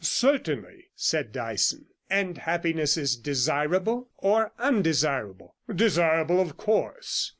'Certainly,' said Dyson. 'And happiness is desirable or undesirable?' 'Desirable, of course.'